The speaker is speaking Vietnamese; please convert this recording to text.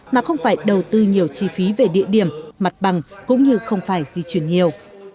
mà không phải đầu tư nhiều chi phí về địa điểm mặt bằng cũng như không phải di chuyển nhiều